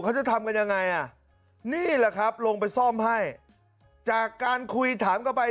เขาจะทำกันยังไงอ่ะนี่แหละครับลงไปซ่อมให้จากการคุยถามกลับไป